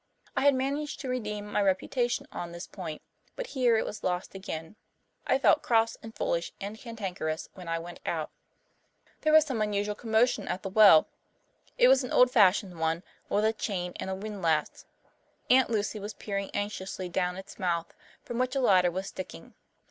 I had managed to redeem my reputation on this point, but here it was lost again. I felt cross and foolish and cantankerous when I went out. There was some unusual commotion at the well. It was an old fashioned open one, with a chain and windlass. Aunt Lucy was peering anxiously down its mouth, from which a ladder was sticking.